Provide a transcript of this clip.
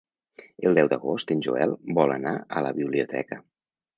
El deu d'agost en Joel vol anar a la biblioteca.